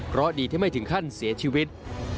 เพราะดีที่ไม่ถึงขั้นเสียชีวิต